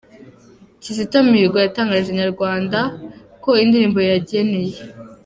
Kizito Mihigo yatangarije Inyarwanda ko indirimbo yageneye.